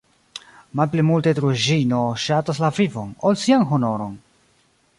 Malpli multe Druĵino ŝatas la vivon, ol sian honoron!